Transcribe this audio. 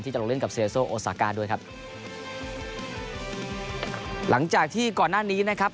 จะลงเล่นกับเซโซโอซากาด้วยครับหลังจากที่ก่อนหน้านี้นะครับ